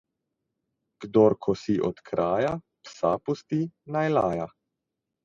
Kdor kosi od kraja, psa pusti, naj laja.